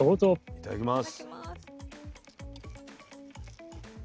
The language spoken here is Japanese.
いただきます。